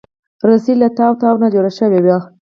رسۍ له تاو تاو نه جوړه شوې وي.